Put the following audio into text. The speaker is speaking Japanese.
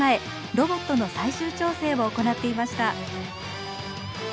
ロボットの最終調整を行っていました。